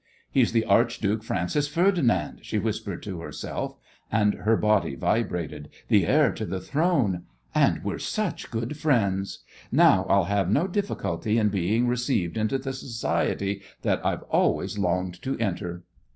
"He's the Archduke Francis Ferdinand," she whispered to herself, and her body vibrated. "The heir to the throne! And we're such good friends! Now I'll have no difficulty in being received into the society that I've always longed to enter."